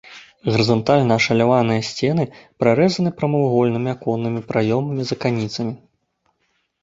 Гарызантальна ашаляваныя сцены прарэзаны прамавугольнымі аконнымі праёмамі з аканіцамі.